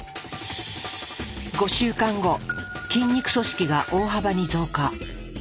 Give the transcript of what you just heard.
５週間後筋肉組織が大幅に増加。